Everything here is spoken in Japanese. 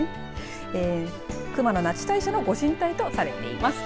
熊野那智大社のご神体とされています。